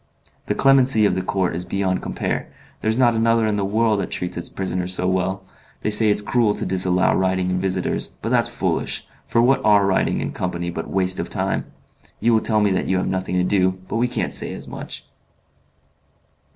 The clemency of the Court is beyond compare; there's not another in the world that treats its prisoners so well. They say it's cruel to disallow writing and visitors; but that's foolish, for what are writing and company but waste of time? You will tell me that you have nothing to do, but we can't say as much."